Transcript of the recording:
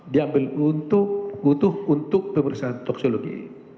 diambil untuk utuh untuk pemeriksaan toksologi